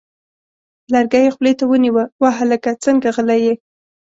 لرګی یې خولې ته ونیوه: وه هلکه څنګه غلی یې!؟